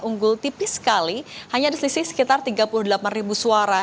unggul tipis sekali hanya di selisih sekitar tiga puluh delapan ribu suara